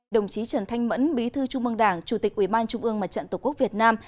đồng chí trần thanh mẫn bí thư trung mương đảng chủ tịch ubnd mặt trận tổ quốc việt nam